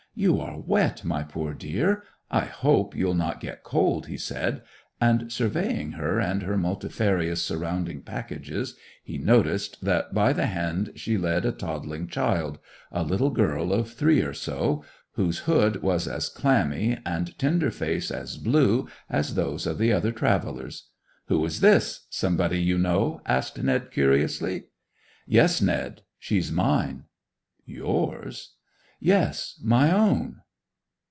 'You are wet, my poor dear! I hope you'll not get cold,' he said. And surveying her and her multifarious surrounding packages, he noticed that by the hand she led a toddling child—a little girl of three or so—whose hood was as clammy and tender face as blue as those of the other travellers. 'Who is this—somebody you know?' asked Ned curiously. 'Yes, Ned. She's mine.' 'Yours?' 'Yes—my own!